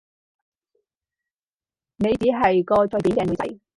你只係個隨便嘅女仔